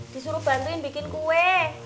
disuruh bantuin bikin kue